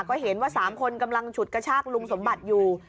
ก็เห็นว่า๓คนกำลังฉุดกระชากลุงสมบัติอยู่